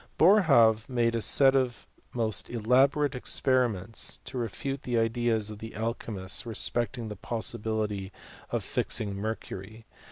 Boerhaave made a set of most elaborate experi ments, to refute the ideas of the alchy mists respecting the possibility of fixings mercury.